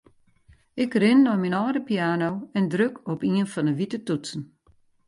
Ik rin nei myn âlde piano en druk op ien fan 'e wite toetsen.